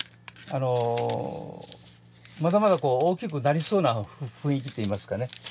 まだまだ大きくなりそうな雰囲気っていいますかね